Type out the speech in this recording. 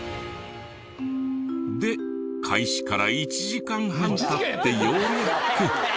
で開始から１時間半経ってようやく。